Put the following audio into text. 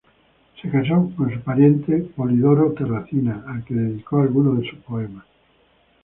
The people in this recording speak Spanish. Se casó con su pariente Polidoro Terracina, al que dedicó algunos de sus poemas.